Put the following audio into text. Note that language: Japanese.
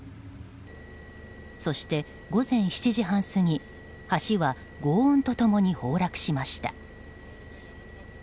そして、午前７時半過ぎ橋は轟音と共に崩落しました。